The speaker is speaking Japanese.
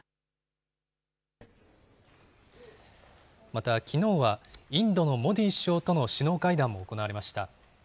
またきのうは、インドのモディ首相との首脳会談も行われました。